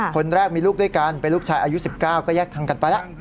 คนแรกมีลูกด้วยกันเป็นลูกชายอายุ๑๙ก็แยกทางกันไปแล้ว